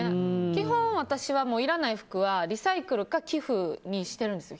基本、私はいらない服はリサイクルか寄付にしてるんです。